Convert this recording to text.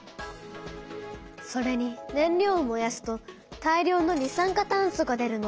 それに燃料を燃やすと大量の二酸化炭素が出るの。